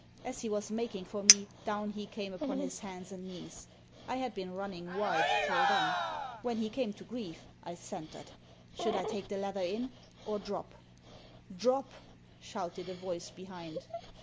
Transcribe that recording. As he was making for me down he came upon his hands and knees. I had been running wide till then. When he came to grief I centred. Should I take the leather in, or drop ?" Drop !" shouted a voice behind.